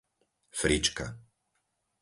Frička